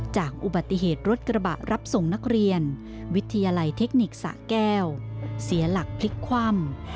จากอุบัติเหตุรถกระบะรับส่งนักเรียนวิทยาลัยเทคนิคสะแก้วเสียหลักพลิกคว่ำ